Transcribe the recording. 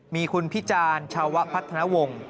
มีคุณพิจารณ์ชาวพัฒนาวงศ์